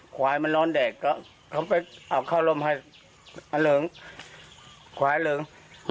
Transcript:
ควายมันร้อนแดกก็เขาไปเอาข้าวลมให้อาเริงควายเหลิง